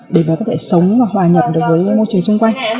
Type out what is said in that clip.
để mà có thể sống và hòa nhập được với môi trường xung quanh